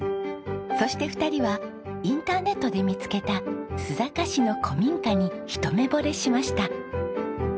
そして２人はインターネットで見つけた須坂市の古民家に一目惚れしました。